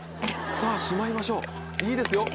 さぁしまいましょういいですよいいですよ。